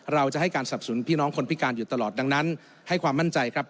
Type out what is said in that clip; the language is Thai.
เราจะให้การสับสนพี่น้องคนพิการอยู่ตลอดดังนั้นให้ความมั่นใจครับ